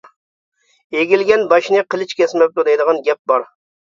— «ئېگىلگەن باشنى قىلىچ كەسمەپتۇ» دەيدىغان گەپ بار.